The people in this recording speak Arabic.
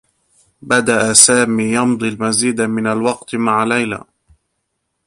بدأ سامي يمضي المزيد من الوقت مع ليلى.